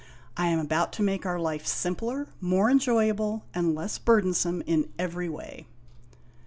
I am about to make our life simpler, more enjoyable, and less burdensome in every way."